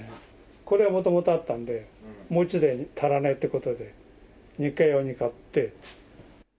これはもともとあったので、もう１台、足らないってことで、２階用に買って。